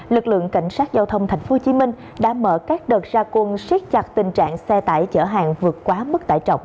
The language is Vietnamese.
lực lượng cảnh sát giao thông tp hcm đã mở các đợt ra quân siết chặt tình trạng xe tải chở hàng vượt quá mức tải trọng